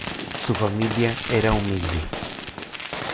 Su familia era humilde.